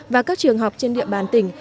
và các trường học trên địa bàn tỉnh